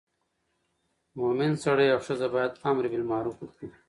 مومن سړی او ښځه باید امر بالمعروف وکړي.